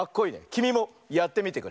きみもやってみてくれ！